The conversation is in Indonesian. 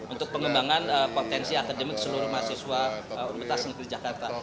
untuk pengembangan potensi akademik seluruh mahasiswa universitas negeri jakarta